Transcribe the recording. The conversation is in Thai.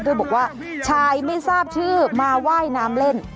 โดยบอกว่าชายไม่ทราบชื่อมาว่ายน้ำเล่น